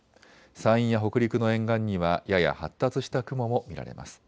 山陰や北陸の沿岸にはやや発達した雲も見られます。